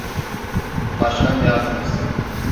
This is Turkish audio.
Başkan yardımcısı.